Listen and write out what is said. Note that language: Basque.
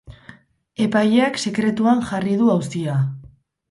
Epaileak sekretuan jarri du auzia.